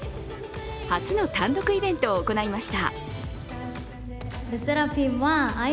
初の単独イベントを行いました。